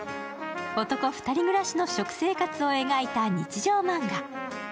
男２人暮らしの食生活を描いた日常マンガ。